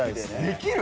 できる？